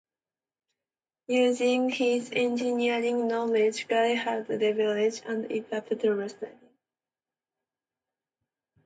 Using his engineering knowledge, Gallagher studied leverage, and how it applied to wrestling.